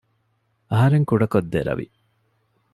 އަހަރެން ކުޑަކޮށް ދެރަވި